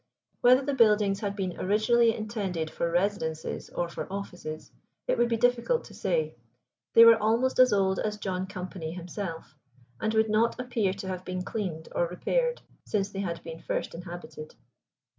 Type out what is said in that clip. Whether the buildings had been originally intended for residences or for offices it would be difficult to say. They were almost as old as John Company himself, and would not appear to have been cleaned or repaired since they had been first inhabited.